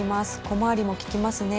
小回りも利きますね。